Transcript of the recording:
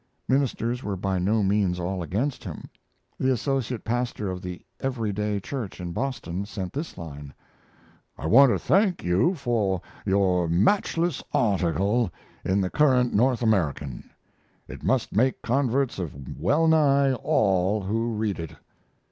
Ministers were by no means all against him. The associate pastor of the Every day Church, in Boston, sent this line: "I want to thank you for your matchless article in the current North American. It must make converts of well nigh all who read it."